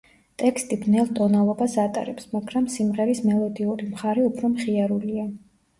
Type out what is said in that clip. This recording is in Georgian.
ტექსტი ბნელ ტონალობას ატარებს, მაგრამ სიმღერის მელოდიური მხარე უფრო მხიარულია.